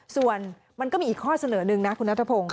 ส่วนมันก็มีอีกข้อเสนอหนึ่งนะคุณนัทพงศ์